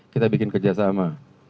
kita bikin kerjasama